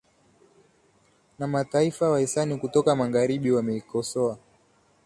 na mataifa wahisani kutoka magharibi wameikosoa